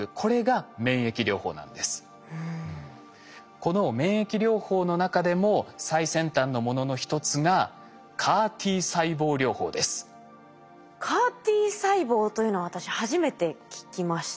この免疫療法の中でも最先端のものの一つがＣＡＲ−Ｔ細胞というのは私初めて聞きました。